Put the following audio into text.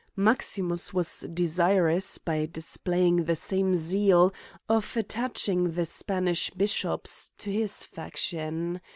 Maximus was desirous, by displaying the same zeal, of attaching the Spanish bishops to his faction.